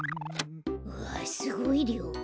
うわすごいりょう。